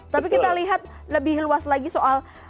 tapi kita lihat lebih luas lagi soal